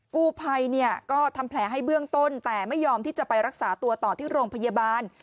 กู้ภัยเนี่ยก็ทำแผลให้เบื้องต้นแต่ไม่ยอมที่จะไปรักษาตัวต่อที่โรงพยาบาล